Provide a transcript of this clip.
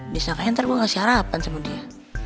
disangkanya ntar gue ngasih harapan sama dia